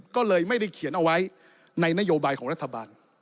ก็เลยไม่ได้เขียนเอาไว้ในนโยบายของรัฐบาล